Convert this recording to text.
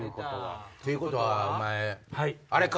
ということはお前あれか！